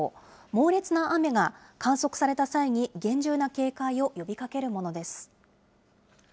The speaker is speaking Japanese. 猛烈な雨が観測された際に厳重な警戒を呼びかけるものです。